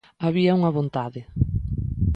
Había unha vontade.